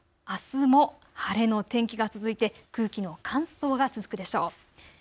あすも晴れの天気が続いて空気の乾燥が続くでしょう。